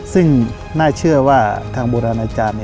ซึ่งน่าเชื่อว่าทางบุรนัยจารย์